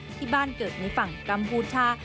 ที่บ้านเกิดในฝั่งกัมพูชา